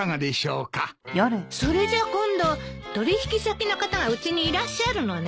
それじゃあ今度取引先の方がうちにいらっしゃるのね？